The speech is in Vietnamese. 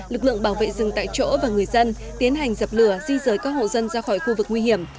lực lượng bảo vệ rừng tại chỗ và người dân tiến hành dập lửa di rời các hộ dân ra khỏi khu vực nguy hiểm